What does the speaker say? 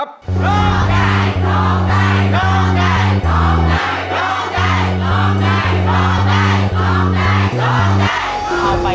ขอบคุณค่ะ